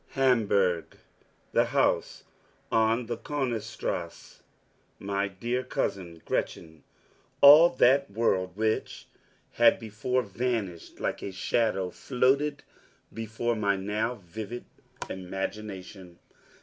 Hamburg, the house on the Konigstrasse, my dear cousin Gretchen all that world which had before vanished like a shadow floated before my now vivid imagination.